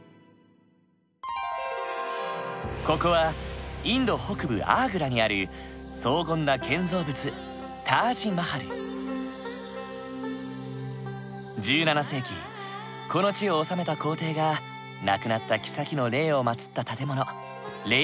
ここはインド北部アーグラにある荘厳な建造物１７世紀この地を治めた皇帝が亡くなったきさきの霊を祭った建物霊びょうだ。